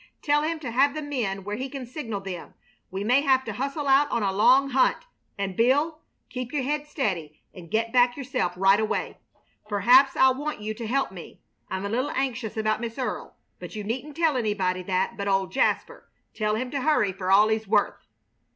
Tell him to have the men where he can signal them. We may have to hustle out on a long hunt; and, Bill, keep your head steady and get back yourself right away. Perhaps I'll want you to help me. I'm a little anxious about Miss Earle, but you needn't tell anybody that but old Jasper. Tell him to hurry for all he's worth."